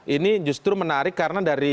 ini justru menarik karena dari